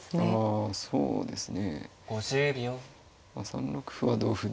あそうですね。